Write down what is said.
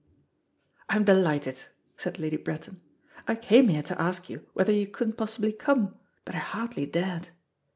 "I'm delighted," said Lady Bretton. "I came here to ask you whether you couldn't possibly come, but I hardly dated.